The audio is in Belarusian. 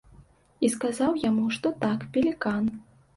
І сказаў яму, што так, пелікан.